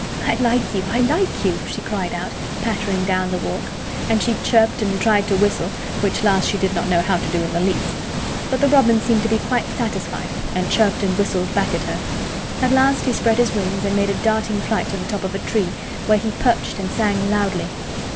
"I like you! I like you!" she cried out, pattering down the walk; and she chirped and tried to whistle, which last she did not know how to do in the least. But the robin seemed to be quite satisfied and chirped and whistled back at her. At last he spread his wings and made a darting flight to the top of a tree, where he perched and sang loudly.